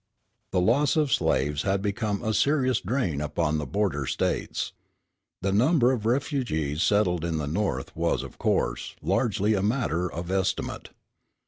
The loss of slaves had become a serious drain upon the border States. The number of refugees settled in the North was, of course, largely a matter of estimate.